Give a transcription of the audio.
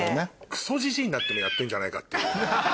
クソジジイになってもやってんじゃないかっていう。